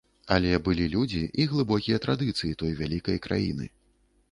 Але былі людзі і глыбокія традыцыі той вялікай краіны.